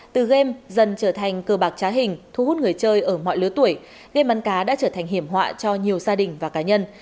từ game dần trở thành cơ bạc trá hình thu hút người chơi ở mọi lứa tuổi game bắn cá đã trở thành hiểm họa cho nhiều gia đình và cá nhân